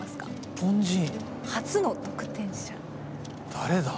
誰だ？